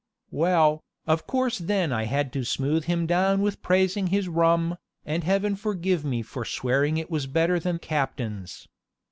Well, of course then I had to smooth him down with praising his rum, and Heaven forgive me for swearing it was better than captain's.